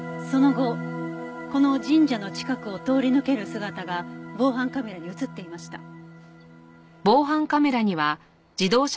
その後この神社の近くを通り抜ける姿が防犯カメラに映っていました。